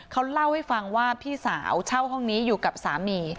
เขาเล่าให้ฟังว่าพี่สาวเช่าห้องนี้อยู่กับสามี